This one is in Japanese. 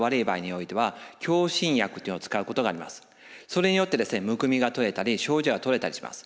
それによってむくみがとれたり症状がとれたりします。